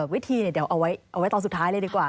วิธีเดี๋ยวเอาไว้ตอนสุดท้ายเลยดีกว่า